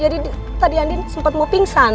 jadi tadi andin sempat mau pingsan